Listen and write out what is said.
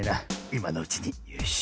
いまのうちによし。